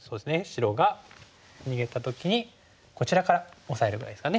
白が逃げた時にこちらからオサえるぐらいですかね。